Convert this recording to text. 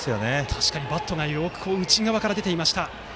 確かに、バットがよく内側から出ていました。